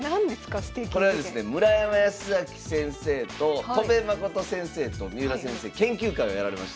これはですね村山慈明先生と戸辺誠先生と三浦先生研究会をやられました。